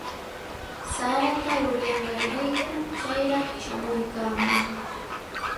Sarata uryanqaarayku chayraq shamuykaamuu.